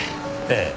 ええ。